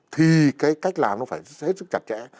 thì cái cách làm nó phải hết sức chặt chẽ